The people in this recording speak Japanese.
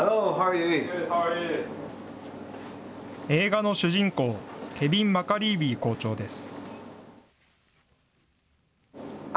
映画の主人公、ケヴィン・マカリーヴィー校長です。